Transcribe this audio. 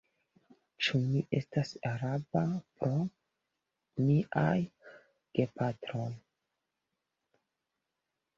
Ĉu mi estas araba pro miaj gepatroj?